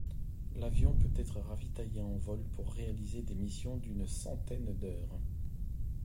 L'avion peut-être ravitaillé en vol pour réaliser des missions d'une centaine d'heures.